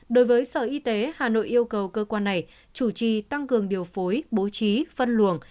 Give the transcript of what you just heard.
đối với sở y tế hà nội yêu cầu cơ quan này chủ trì tăng cường điều phối bố trí phân luồng